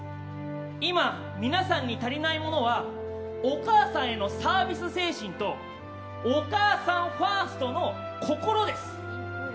今、皆さんに足りないものはお母さんへのサービス精神とお母さんファーストの心です。